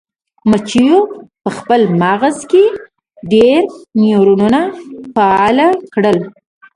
مچیو په خپل مغز کې ډیر نیورونونه فعال کړل.